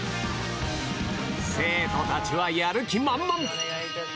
生徒たちはやる気満々。